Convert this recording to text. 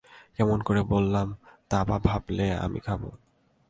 এমন করে বল্লাম তাবা ভাবলে আমি খাবো।